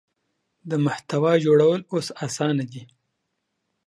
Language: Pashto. د محتوا جوړول اوس اسانه دي.